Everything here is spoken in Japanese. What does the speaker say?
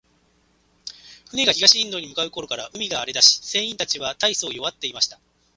船が東インドに向う頃から、海が荒れだし、船員たちは大そう弱っていました。